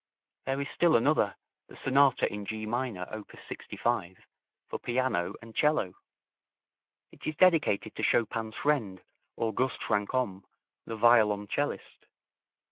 There is still another, the Sonata in G minor, op. 65, for piano and 'cello. It is dedicated to Chopin's friend, August Franchomme, the violoncellist.